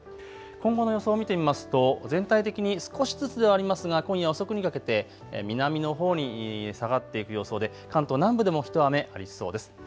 今後の予想を見てみますと全体的に少しずつではありますが今夜遅くにかけて南のほうに下がっていく予想で関東南部でも一雨ありそうです。